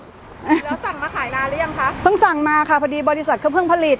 แล้วสั่งมาขายนานหรือยังคะเพิ่งสั่งมาค่ะพอดีบริษัทเขาเพิ่งผลิต